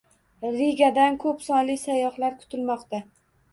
Rigadan ko‘p sonli sayyohlar kutilmoqda